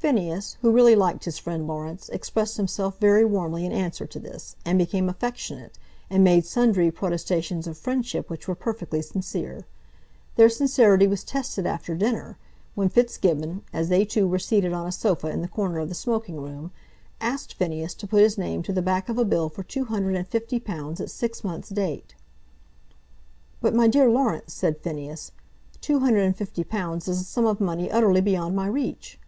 Phineas, who really liked his friend Laurence, expressed himself very warmly in answer to this, and became affectionate, and made sundry protestations of friendship which were perfectly sincere. Their sincerity was tested after dinner, when Fitzgibbon, as they two were seated on a sofa in the corner of the smoking room, asked Phineas to put his name to the back of a bill for two hundred and fifty pounds at six months' date. "But, my dear Laurence," said Phineas, "two hundred and fifty pounds is a sum of money utterly beyond my reach."